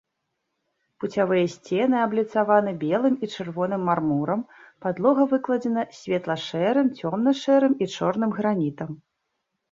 Пуцявыя сцены абліцаваны белым і чырвоным мармурам, падлога выкладзена светла-шэрым, цёмна-шэрым і чорным гранітам.